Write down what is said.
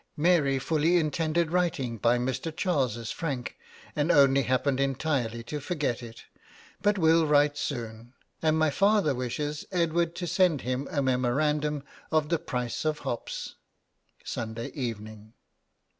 Mary fully intended writing by Mr. Charles's frank, and only happened entirely to forget it, but will write soon; and my father wishes Edward to send him a memorandum of the price of hops. '_Sunday Evening.